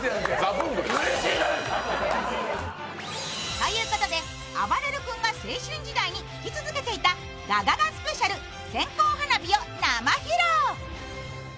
ということで、あばれる君が青春時代に聴き続けていたガガガＳＰ、「線香花火」を生披露。